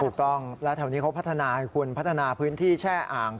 ถูกต้องแล้วแถวนี้เขาพัฒนาให้คุณพัฒนาพื้นที่แช่อ่าง